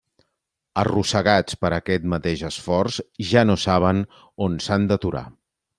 Arrossegats per aquest mateix esforç, ja no saben on s'han d'aturar.